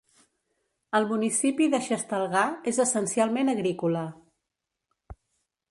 El municipi de Xestalgar és essencialment agrícola.